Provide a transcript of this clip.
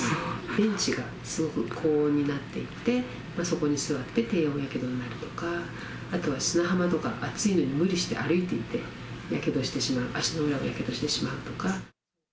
ベンチがすごく高温になっていて、そこに座って、低温やけどになるとか、あとは砂浜とか、熱いのに無理して歩いていて、足の裏をやけどしてしまうとか。